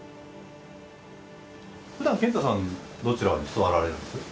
ふだん賢太さんどちらに座られるんです？